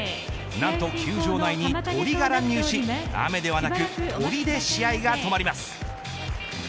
何と球場内に鳥が乱入し雨ではなく鳥で試合が止まります。